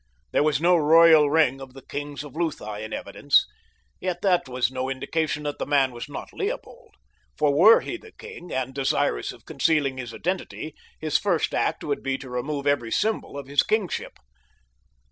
There was no royal ring of the kings of Lutha in evidence, yet that was no indication that the man was not Leopold; for were he the king and desirous of concealing his identity, his first act would be to remove every symbol of his kingship.